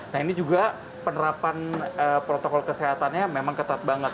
nah ini juga penerapan protokol kesehatannya memang ketat banget